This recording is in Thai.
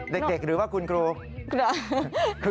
เด็กหรือว่าคุณครู